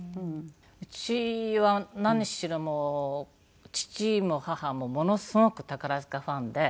うちは何しろ父も母もものすごく宝塚ファンで。